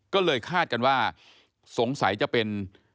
ก็เลยคาดกันว่าสงสัยจะเป็น